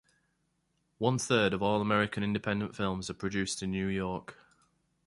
One-third of all American independent films are produced in New York.